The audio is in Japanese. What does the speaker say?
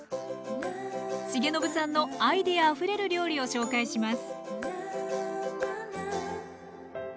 重信さんのアイデアあふれる料理を紹介します